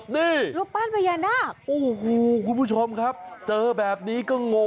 นี่ไปเจอกับนี่